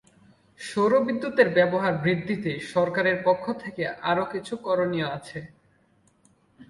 সৌরবিদ্যুতের ব্যবহার বৃদ্ধিতে সরকারের পক্ষ থেকে আরও কিছু করণীয় আছে।